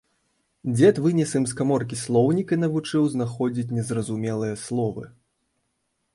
Дзед вынес ім з каморкі слоўнік і навучыў знаходзіць незразумелыя словы.